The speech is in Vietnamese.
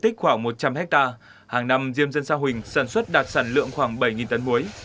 trong khoảng một trăm linh hectare hàng năm diêm dân sa huỳnh sản xuất đạt sản lượng khoảng bảy tấn mối